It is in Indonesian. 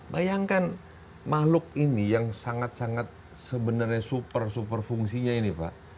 bayangkan makhluk ini yang sangat sangat sebenarnya super super fungsinya ini pak